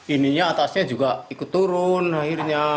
ininya atasnya juga ikut turun akhirnya